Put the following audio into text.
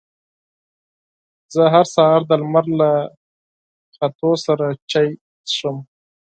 زه هر سهار د لمر له ختو سره چای څښم.